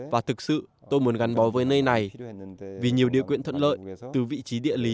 và thực sự tôi muốn gắn bó với nơi này vì nhiều điều kiện thuận lợi từ vị trí địa lý